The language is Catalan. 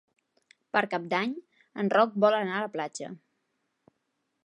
Per Cap d'Any en Roc vol anar a la platja.